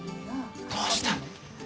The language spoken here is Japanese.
どうしたの？